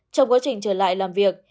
trong quá trình trở lại làm việc